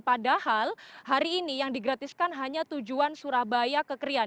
padahal hari ini yang digratiskan hanya tujuan surabaya ke krian